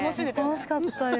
楽しかったです